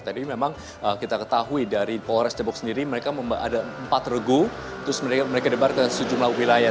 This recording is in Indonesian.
tadi memang kita ketahui dari polres depok sendiri mereka ada empat regu terus mereka debar ke sejumlah wilayah